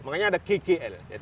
makanya ada ggl